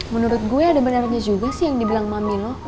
menurut gue ada benerannya juga sih yang dibilang mami lo